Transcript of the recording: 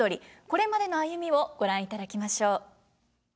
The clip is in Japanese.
これまでの歩みをご覧いただきましょう。